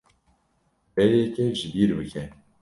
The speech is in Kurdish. Vê yekê ji bîr bike.